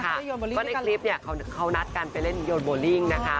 เพราะในคลิปเนี่ยเขานัดกันไปเล่นโยนโบลิ่งนะคะ